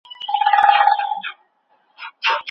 هر غبرګون خپل ځانګړی علت لري.